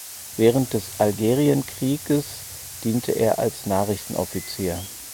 Während des Algerienkrieges diente er als Nachrichtenoffizier.